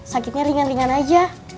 sakitnya ringan ringan aja